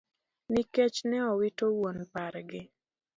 Nikech ne owito wuon pargi.